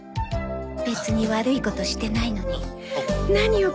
別に悪いことしてないのに何よ